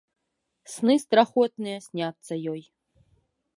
Сны страхотныя сняцца ёй.